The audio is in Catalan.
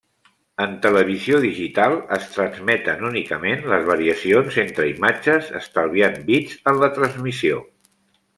En televisió digital, es transmeten únicament les variacions entre imatges estalviant bits en la transmissió.